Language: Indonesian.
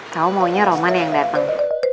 kau maunya roman yang datang